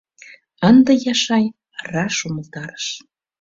Ынде Яшай раш умылтарыш.